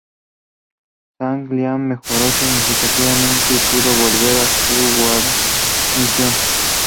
Zhang Liao mejoró significativamente y pudo volver a su guarnición.